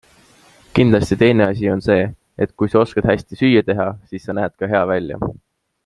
Kindlasti teine asi on see, et kui sa oskad hästi süüa teha, siis sa näed ka hea välja.